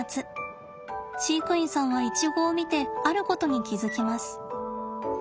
飼育員さんはイチゴを見てあることに気付きます。